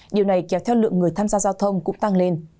điều này kéo theo lượng người tham gia giao thông cũng tăng lên